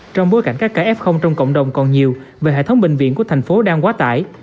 trong bối cảnh các ca f trong cộng đồng còn nhiều và hệ thống bệnh viện của thành phố đang quá tải